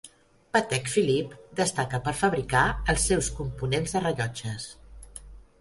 Patek Philippe destaca per fabricar els seus components de rellotges.